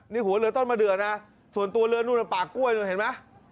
นี่หัวเรือต้นมะเดือดนะส่วนตัวเรือนู่นป่ากล้วยนู่นเห็นไหม